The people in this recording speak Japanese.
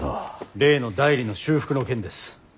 例の内裏の修復の件です。